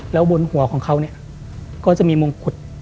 แล้วบนหัวของเค้ามีโมงกุฏ